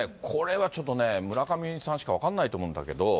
これはちょっとね、村上さんしか分かんないと思うんだけど。